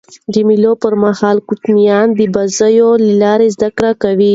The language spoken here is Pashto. د مېلو پر مهال کوچنيان د بازيو له لاري زدهکړه کوي.